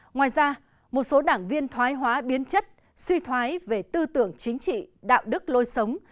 ngoài ra một số đảng viên thoái hóa biến chất suy thoái về tư tưởng chính trị đạo đức lôi sống